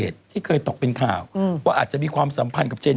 เจอเบลล่าฮาดิสด์ด้วย